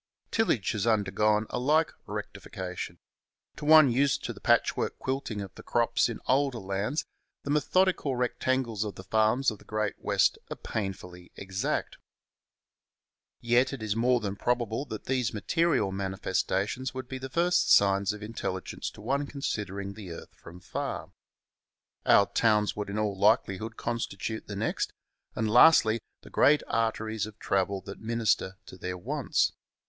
Tillage has undergone a like rectification. To one used to the patchwork quilting of the crops in older lands the methodical rectangles of the farms of the Great West are painfully exact. Yet it is more than probable that these material manifestations would be the first signs of intelligence to one considering the earth from far. Our towns would in all likelihood constitute the next ; and, lastly, the great arteries of travel that min ister to their wants.